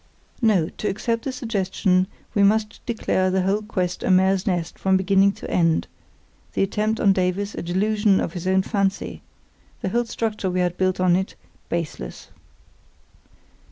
No; to accept the suggestion we must declare the whole quest a mare's nest from beginning to end; the attempt on Davies a delusion of his own fancy, the whole structure we had built on it, baseless.